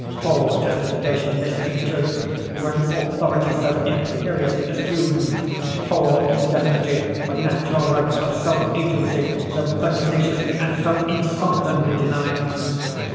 Poor justification this, in truth, for an authority so imperiously assumed! Poor indemnity for natural rights of self agency so pertinaciously, so insultingly denied!